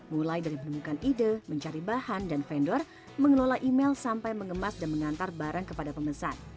mulai dari menemukan ide mencari bahan dan vendor mengelola email sampai mengemas dan mengantar barang kepada pemesan